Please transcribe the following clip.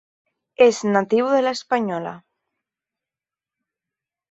Es nativo de la Hispaniola.